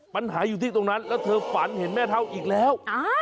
ปัญหาอยู่ที่ตรงนั้นแล้วเธอฝันเห็นแม่เท่าอีกแล้ว